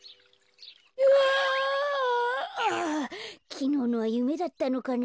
きのうのはゆめだったのかな？